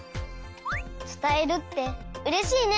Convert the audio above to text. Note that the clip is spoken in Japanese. つたえるってうれしいね！